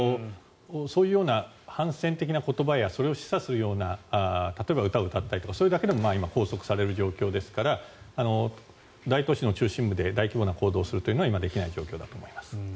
そういうような反戦的な言葉やそれを示唆するような例えば歌を歌ったりとかそれだけでも今拘束される状況ですから大都市の中心部で行進をするというのは今、できない状況だと思います。。